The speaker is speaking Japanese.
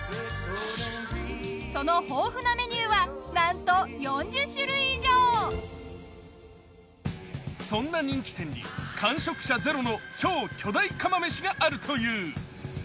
その豊富なメニューはなんとそんな人気店に完食者ゼロの超巨大釜飯があるという。